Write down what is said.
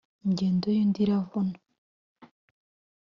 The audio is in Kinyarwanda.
Ingendo y’undi iravuna.